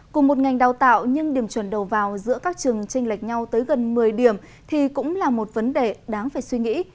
cùng một ngành đào tạo nhưng điểm chuẩn đầu vào giữa các trường tranh lệch nhau tới gần một mươi điểm thì cũng là một vấn đề đáng phải suy nghĩ